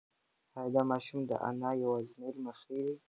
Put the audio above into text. ایا دا ماشوم د انا یوازینی لمسی دی؟